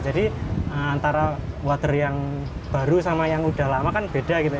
jadi antara wader yang baru sama yang udah lama kan beda gitu